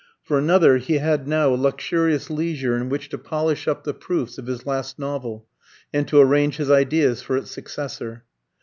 For another, he had now a luxurious leisure in which to polish up the proofs of his last novel, and to arrange his ideas for its successor.